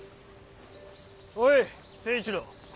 おい成一郎。